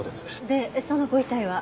でそのご遺体は？